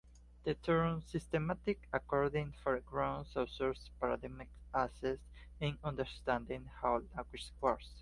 The term "systemic" accordingly foregrounds Saussure's "paradigmatic axis" in understanding how language works.